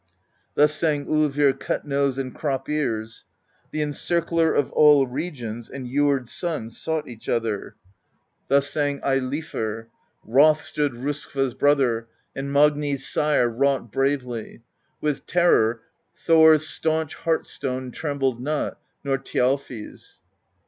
Thus sang Olvir Cut Nose and Crop Ears : The encircler of all regions And Jord's Son sought each other. io8 PROSE EDDA Thus sang Eilifr: Wroth stood Roskva's Brother, And Magni's Sire wrought bravely: With terror Thor's staunch heart stone Trembled not, nor Thjalfi's.